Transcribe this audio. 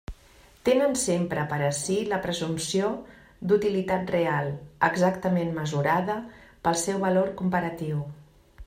Tenen sempre per a si la presumpció d'utilitat real, exactament mesurada pel seu valor comparatiu.